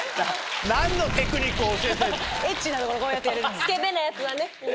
スケベなやつはね。